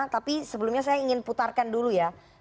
tapi sebelumnya saya ingin putarkan dulu ya